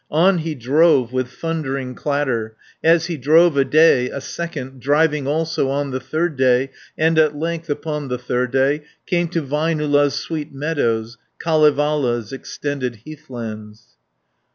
On he drove with thundering clatter, As he drove a day, a second, 80 Driving also on the third day, And at length upon the third day, Came to Väinölä's sweet meadows, Kalevala's extended heathlands.